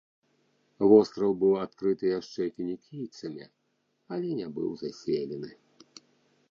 Востраў быў адкрыты яшчэ фінікійцамі, але не быў заселены.